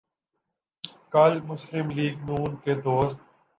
کل مسلم لیگ ن کے دوست